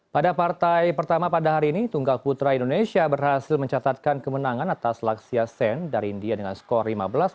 pada partai pertama pada hari ini tunggal putra indonesia berhasil mencatatkan kemenangan atas laksiasen dari india dengan skor lima belas dua puluh satu dua puluh satu sepuluh dua puluh satu tiga belas